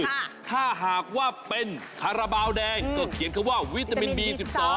ถ้าหากว่าเป็นคาราบาลแดงก็เขียนคำว่าวิตามินบี๑๒